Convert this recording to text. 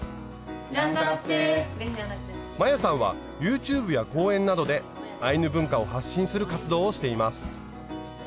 摩耶さんはＹｏｕｔｕｂｅや講演などでアイヌ文化を発信する活動をしています。